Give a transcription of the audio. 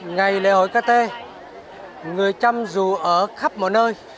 ngày lễ hội kt người trăm dù ở khắp mọi nơi